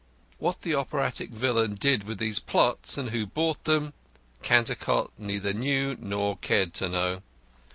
What the operatic villain did with these plots, and who bought them, Cantercot never knew nor cared to know.